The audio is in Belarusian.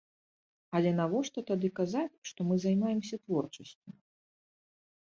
Але навошта тады казаць, што мы займаемся творчасцю?